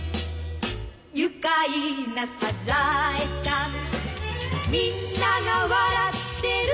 「愉快なサザエさん」「みんなが笑ってる」